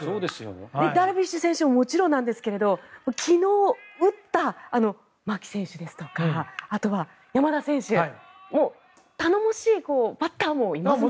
ダルビッシュ選手はもちろんなんですけど昨日打った牧選手ですとかあとは山田選手など頼もしいバッターもいますよね。